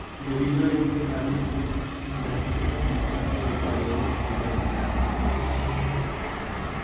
Debido a estos rayos, se clasifica como parte del Período Copernicano.